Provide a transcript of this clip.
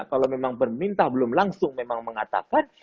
kalau memang permintaan belum langsung memang mengatakan